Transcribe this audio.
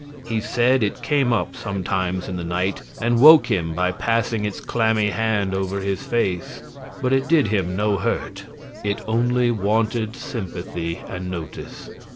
He said it came up sometimes in the night and woke him by passing its clammy hand over his face, but it did him no hurt; it only wanted sympathy and notice.